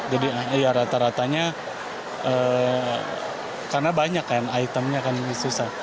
jadi ya rata ratanya karena banyak kan itemnya kan susah